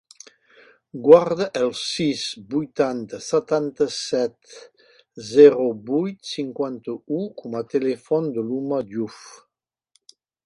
Guarda el sis, vuitanta, seixanta-set, zero, vuit, cinquanta-u com a telèfon de l'Uma Diouf.